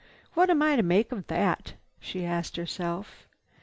"What am I to make of that?" she asked herself.